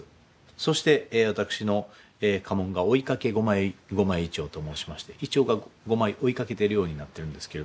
そして私の家紋が「追いかけ五枚銀杏」と申しまして銀杏が五枚追いかけてるようになってるんですけれども。